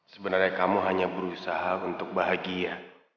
sebenarnya kamu hanya berusaha untuk bahagia